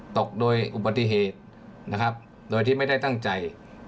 ตกโดยอุบัติเหตุนะครับโดยที่ไม่ได้ตั้งใจ